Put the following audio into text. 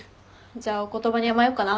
じゃあお言葉に甘えよっかな。